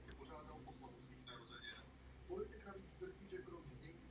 Dále existuje iniciativa zaměřená na zaměstnanost mladých lidí.